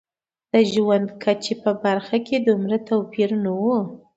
د ژوند کچې په برخه کې دومره توپیر نه و.